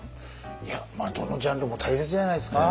いやどのジャンルも大切じゃないですか？